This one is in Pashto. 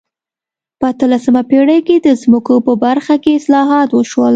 په اتلسمه پېړۍ کې د ځمکو په برخه کې اصلاحات وشول.